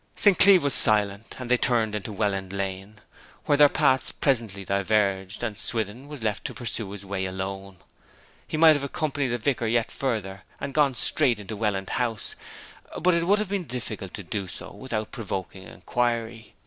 St. Cleeve was silent, and they turned into Welland Lane, where their paths presently diverged, and Swithin was left to pursue his way alone. He might have accompanied the vicar yet further, and gone straight to Welland House; but it would have been difficult to do so then without provoking inquiry.